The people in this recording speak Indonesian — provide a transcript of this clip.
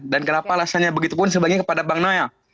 dan kenapa alasannya begitu pun sebagian kepada bang naya